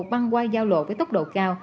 băng qua giao lộ với tốc độ cao